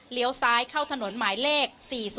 เลี้ยวซ้ายเข้าถนนหมายเลข๔๐๐๗